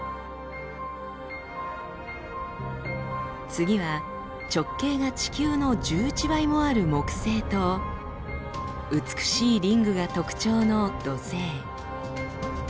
次は直径が地球の１１倍もある木星と美しいリングが特徴の土星。